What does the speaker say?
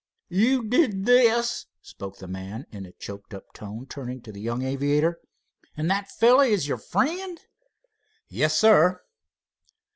"You did this?" spoke the man in a choked up tone, turning to the young aviator. "And that fellow is your friend?" "Yes, sir."